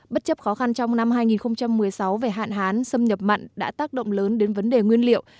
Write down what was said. bất chấp khó khăn trong năm hai nghìn một mươi sáu về hạn hán xâm nhập mặn đã tác động lớn đến vấn đề nguyên liệu